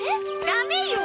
ダメよ！